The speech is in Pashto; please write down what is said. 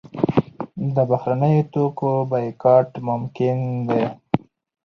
د بهرنیو توکو بایکاټ ممکن دی؟